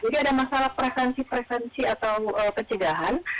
jadi ada masalah presensi presensi atau pencegahan